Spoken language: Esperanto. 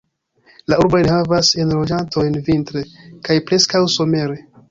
La urbo enhavas enloĝantojn vintre, kaj preskaŭ somere.